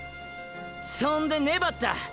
そんでねばった。